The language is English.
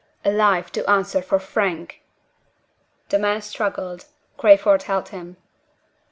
alive, to answer for Frank!" The man struggled. Crayford held him.